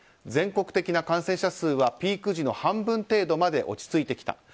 全国的な感染者数はピーク時の半分程度まで落ち着いてきた。